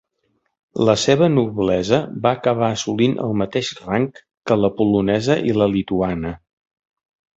La seva noblesa va acabar assolint el mateix rang que la polonesa i la lituana.